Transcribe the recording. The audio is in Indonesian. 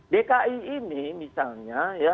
dki ini misalnya